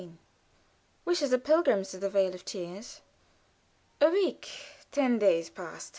"Wishes are pilgrims to the vale of tears." A week ten days passed.